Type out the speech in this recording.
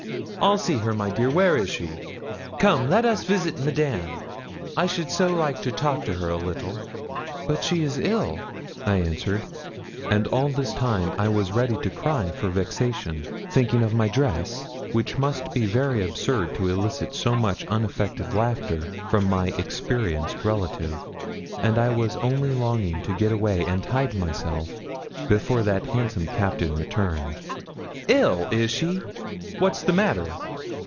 I'll see her, my dear; where is she? Come, let us visit Madame. I should so like to talk to her a little.' 'But she is ill,' I answered, and all this time I was ready to cry for vexation, thinking of my dress, which must be very absurd to elicit so much unaffected laughter from my experienced relative, and I was only longing to get away and hide myself before that handsome Captain returned. 'Ill! is she? what's the matter?'